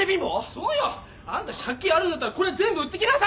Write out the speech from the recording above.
そうよ！あんた借金あるんだったらこれ全部売ってきなさいよ！